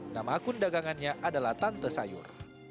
nama akun dagangannya adalah tante sayur